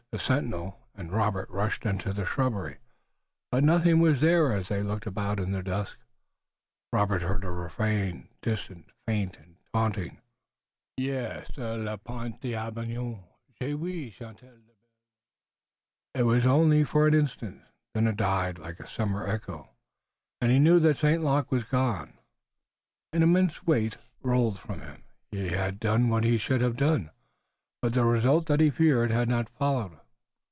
The sentinel and Robert rushed into the shrubbery but nothing was there. As they looked about in the dusk, Robert heard a refrain, distant, faint and taunting: "Hier sur le pont d'Avignon J'ai oui chanter la belle Lon, la." It was only for an instant, then it died like a summer echo, and he knew that St. Luc was gone. An immense weight rolled from him. He had done what he should have done, but the result that he feared had not followed.